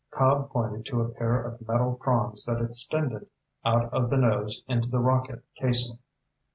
Cobb pointed to a pair of metal prongs that extended out of the nose into the rocket casing.